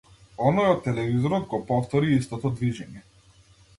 Оној од телевизорот го повтори истото движење.